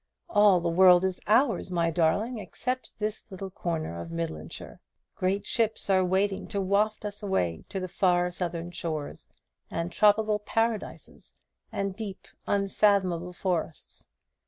All the world is ours, my darling, except this little corner of Midlandshire. Great ships are waiting to waft us away to far Southern shores, and tropical paradises, and deep unfathomable forests.